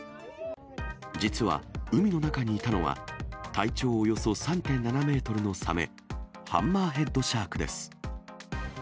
実は、海の中にいたのは、体長およそ３．７メートルのサメ、ハンマーヘッドシャークです。